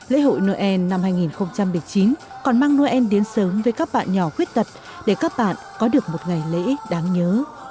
lễ hội noel năm hai nghìn một mươi chín còn mang noel đến sớm với các bạn nhỏ khuyết tật để các bạn có được một ngày lễ đáng nhớ